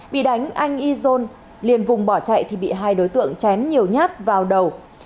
bị đánh anh izon liền vùng bỏ chạy thì bị hai đối tượng chém nhiều nhát vào đầu